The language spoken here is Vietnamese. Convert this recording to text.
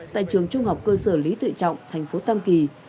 tại trường trung học cơ sở lý tự trọng thành phố tam kỳ